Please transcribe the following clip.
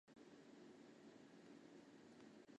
这些宝石比起一般宝石具有特殊能力。